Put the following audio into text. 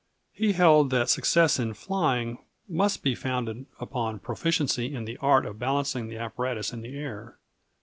He held that success in flying must be founded upon proficiency in the art of balancing the apparatus in the air.